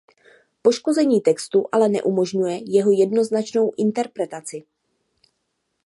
Poškození textu ale neumožňuje jeho jednoznačnou interpretaci.